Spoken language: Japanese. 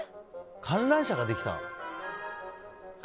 観覧車ができた？